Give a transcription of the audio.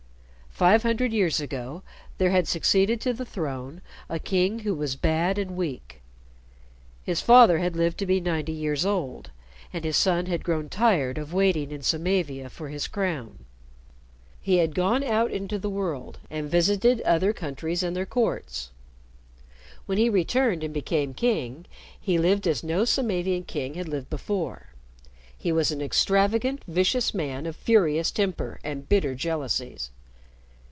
Five hundred years ago, there had succeeded to the throne a king who was bad and weak. His father had lived to be ninety years old, and his son had grown tired of waiting in Samavia for his crown. He had gone out into the world, and visited other countries and their courts. When he returned and became king, he lived as no Samavian king had lived before. He was an extravagant, vicious man of furious temper and bitter jealousies.